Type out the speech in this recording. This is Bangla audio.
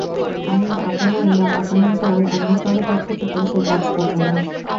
আমি আপনার বা আপনার পর অন্য কারো পক্ষ থেকে সে কাজ করব না।